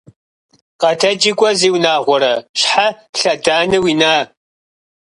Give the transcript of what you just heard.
Къэтэджи кӏуэ, зи унагъуэрэ. Щхьэ лъэданэ уина?